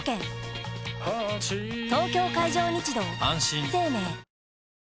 東京海上日動あんしん生命